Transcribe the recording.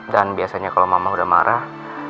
dan biasanya kalau mama udah marah